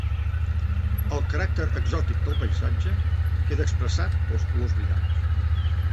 El caràcter exòtic del paisatge queda expressat pels colors brillants.